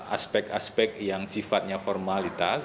aspek aspek yang sifatnya formalitas